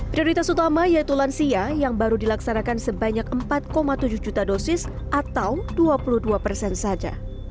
prioritas utama yaitu lansia yang baru dilaksanakan sebanyak empat tujuh juta dosis atau dua puluh dua persen saja